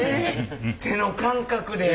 手の感覚で。